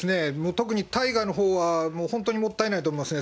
特に大河のほうは本当にもったいないと思いますね。